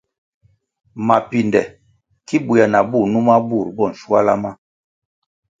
Mapinde ki buéah na bú numa bur bo nschuala ma.